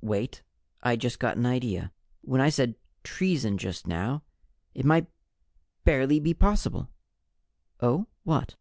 "Wait! I just got an idea. When I said 'treason,' just now It might barely be possible " "Oh, what?"